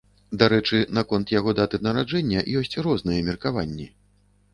Дарэчы, наконт яго даты нараджэння ёсць розныя меркаванні.